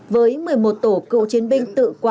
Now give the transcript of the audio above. với một mươi một tổ cựu chiến binh tự quản